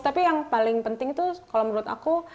tapi yang paling penting tuh kalau menurut aku